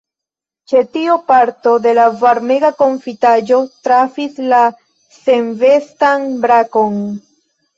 Ĉe tio parto de la varmega konfitaĵo trafis la senvestan brakon.